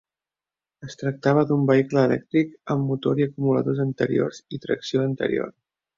Es tractava d'un vehicle elèctric amb motor i acumuladors anteriors i tracció anterior.